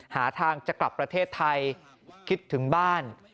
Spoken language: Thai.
หาทางจะกลับประเทศไทยคิดถึงบ้าน